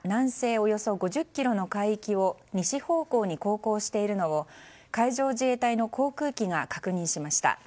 およそ５０ｋｍの海域を西方向に航行しているのを海上自衛隊の航空機が確認しました。